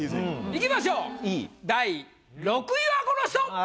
いきましょう第６位はこの人！